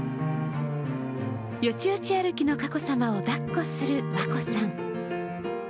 よちよち歩きの佳子さまをだっこする眞子さん。